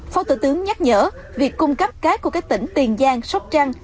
phó thủ tướng nhắc nhở việc cung cấp cát của các tỉnh tiền giang sóc trăng